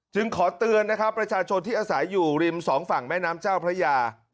ขอเตือนนะครับประชาชนที่อาศัยอยู่ริมสองฝั่งแม่น้ำเจ้าพระยา